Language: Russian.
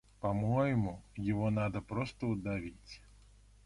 По-моему, его надо просто удавить.